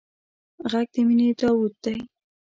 غږ د مینې داوود دی